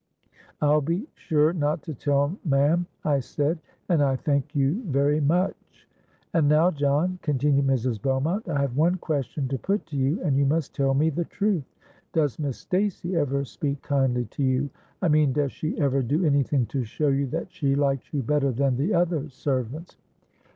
'—'I'll be sure not to tell, ma'am,' I said: 'and I thank you very much.'—'And now, John,' continued Mrs. Beaumont, 'I have one question to put to you, and you must tell me the truth. Does Miss Stacey ever speak kindly to you? I mean, does she ever do any thing to show you that she likes you better than the other servants?'